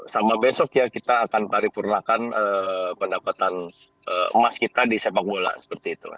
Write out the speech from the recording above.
sama besok ya kita akan paripurnakan pendapatan emas kita di sepak bola seperti itu